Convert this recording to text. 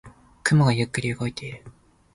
雲がゆっくり動いている。